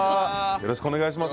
よろしくお願いします。